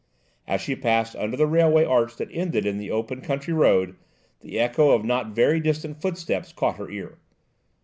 As she passed under the railway arch that ended in the open country road, the echo of not very distant footsteps caught her ear.